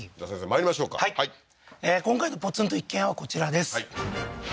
まいりましょうかはい今回のポツンと一軒家はこちらです